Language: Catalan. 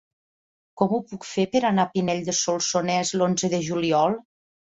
Com ho puc fer per anar a Pinell de Solsonès l'onze de juliol?